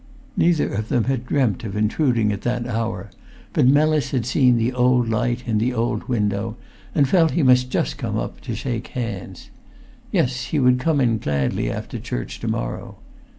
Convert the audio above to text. Neither of them had dreamt of intruding at that hour; but Mellis had seen the old light in the old window, and felt he must just come up to shake hands. Yes, he would come in gladly after church to morrow.